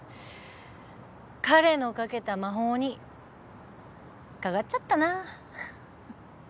彼のかけた魔法にかかっちゃったな。